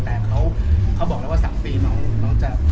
แต่เขาบอกแล้วว่า๓ปีน้องจะผ่านหนึ่งกับพ่อ